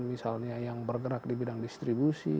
misalnya yang bergerak di bidang distribusi